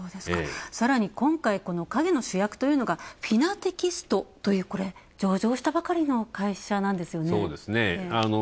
さらに、今回、陰の主役というのがＦｉｎａｔｅｘｔという上場したばかりの会社なんですよね。